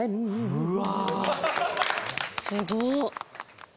うわ！